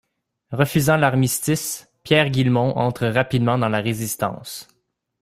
Refusant l'armistice, Pierre Guilhemon entre rapidement dans la Résistance.